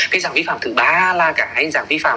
cái dàng vi phạm thứ ba là cái dàng vi phạm